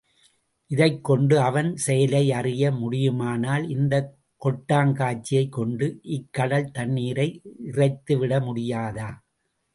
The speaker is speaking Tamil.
இதைக் கொண்டு அவன் செயலை அறிய முடியுமானால், இந்தக் கொட்டாங்கச்சியைக் கொண்டு இக்கடல் தண்ணீரை இறைத்து விட முடியாதா?